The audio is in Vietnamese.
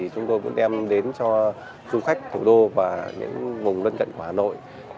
chúng tôi cũng đem đến cho du khách thủ đô và những vùng gần gần hà nội